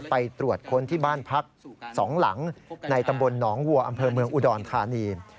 ไปตรวจค้นที่บ้านพัก๒หลังในตำบลหนองวัวอำเภอเมืองอุดรธานี